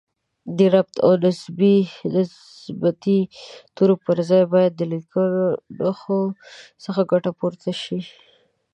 د ربط او نسبتي تورو پر ځای باید د لیکنښو څخه ګټه پورته شي